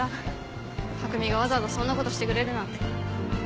匠がわざわざそんなことしてくれるなんて。